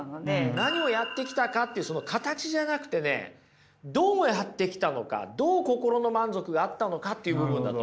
何をやってきたかっていうその形じゃなくてねどうやってきたのかどう心の満足があったのかっていう部分だと思います。